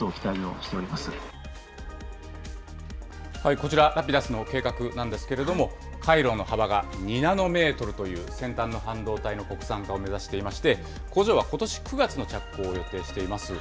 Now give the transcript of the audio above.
こちら、Ｒａｐｉｄｕｓの計画なんですけれども、回路の幅が２ナノメートルという、先端の半導体の国産化を目指していまして、工場はことし９月の着工を予定しています。